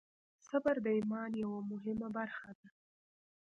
صبر د ایمان یوه مهمه برخه ده.